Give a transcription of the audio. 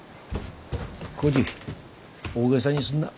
耕治大げさにすんな。